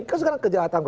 kan sekarang kejahatan